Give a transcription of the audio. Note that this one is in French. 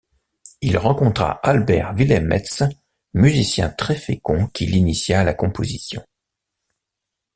Il rencontra Albert Willemetz, musicien très fécond qui l'initia à la composition.